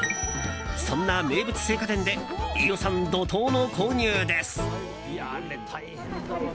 そんな名物青果店で飯尾さん怒涛の購入です。